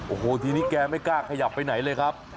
โอ้โหทีนี้แกไม่กล้าขยับไปไหนเลยครับ